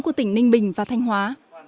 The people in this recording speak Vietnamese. của tỉnh ninh bình và thanh hóa